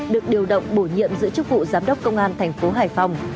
được điều động bổ nhiệm giữ chức vụ giám đốc công an tp hải phòng